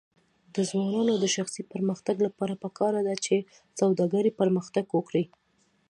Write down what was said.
د ځوانانو د شخصي پرمختګ لپاره پکار ده چې سوداګري پرمختګ ورکړي.